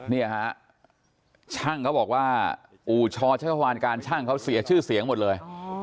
เนี่ยฮะช่างเขาบอกว่าอู่ชวานการช่างเขาเสียชื่อเสียงหมดเลย